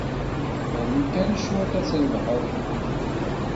Rnu kan cwiṭ, ad trebḥeḍ.